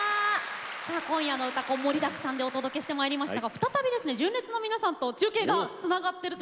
さあ今夜の「うたコン」盛りだくさんでお届けしてまいりましたが再び、純烈の皆さんと中継がつながっています。